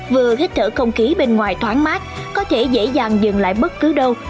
vừa hít thở không khí bên ngoài thoáng mát có thể dễ dàng dừng lại bất cứ đâu